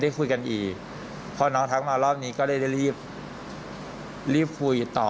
ได้คุยกันอีกเพราะน้องทักมารอบนี้ก็ได้รีบรีบคุยต่อ